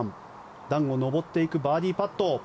段を上っていくバーディーパット。